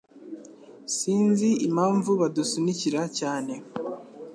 Sinzi impamvu badusunikira cyane